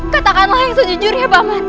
katakanlah yang sejujurnya paman